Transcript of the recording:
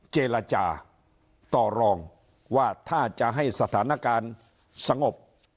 เจรจาต่อรองว่าถ้าจะให้สถานการณ์สงบ